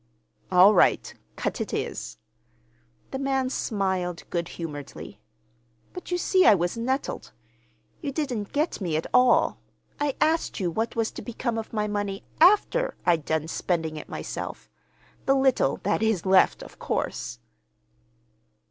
"All right. Cut it is." The man smiled good humoredly. "But you see I was nettled. You didn't get me at all. I asked you what was to become of my money after I'd done spending it myself—the little that is left, of course."